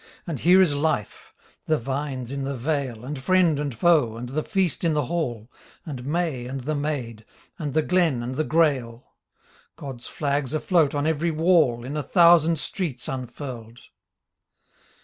And here is Life : the vines in the vale And friend and foe, and the feast in the hall, And May and the maid, and the glen and the grail ; God's flags afloat on every wall In a thousand streets unfurled.